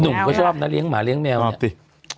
หนุ่มก็ชอบนะเลี้ยหมาเลี้ยแมวเนี่ยสิ